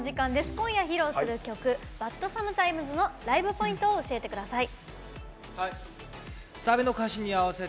今夜、披露する曲「ＢｕｔＳｏｍｅｔｉｍｅｓ」ライブポイントを教えてください。